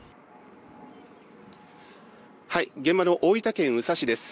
現場の大分県宇佐市です。